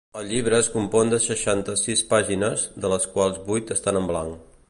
El llibre es compon de seixanta-sis pàgines, de les quals vuit estan en blanc.